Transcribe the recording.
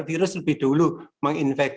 kurang lebih banyak